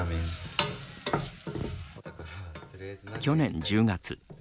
去年１０月。